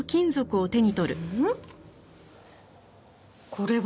これは？